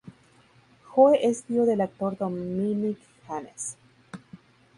Joe es tío del actor Dominic Janes.